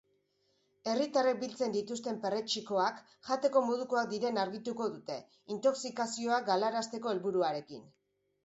Herritarrek biltzen dituzten perretxikoak jateko modukoak diren argituko dute, intoxikazioak galarazteko helburuarekin.